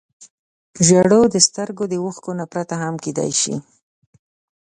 • ژړا د سترګو له اوښکو پرته هم کېدای شي.